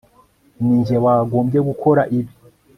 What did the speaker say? ninjye wagombye gukora ibi